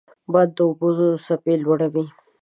باد د اوبو څپې لوړوي